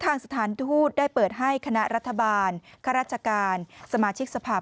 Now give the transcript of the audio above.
สถานทูตได้เปิดให้คณะรัฐบาลข้าราชการสมาชิกสภาพ